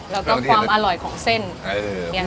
แล้วก็ความอร่อยของเส้น